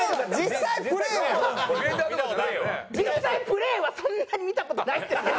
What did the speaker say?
実際プレーはそんなに見た事ないんですよ。